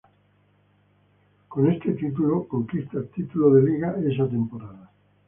Con este equipo conquista el título de Liga esa temporada.